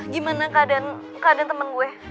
gimana keadaan temen gue